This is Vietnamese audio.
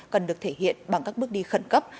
cần được thể hiện bằng các bước đi khẩn cấp